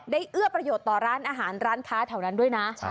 เอื้อประโยชน์ต่อร้านอาหารร้านค้าแถวนั้นด้วยนะ